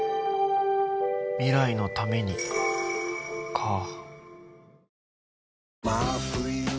未来のためにかぁ。